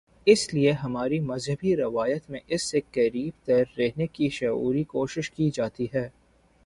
اس لیے ہماری مذہبی روایت میں اس سے قریب تر رہنے کی شعوری کوشش کی جاتی ہے۔